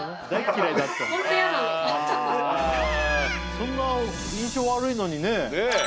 そんな印象悪いのにね。